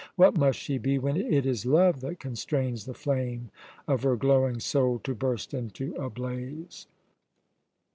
What must she be when it is love that constrains the flame of her glowing soul to burst into a blaze?"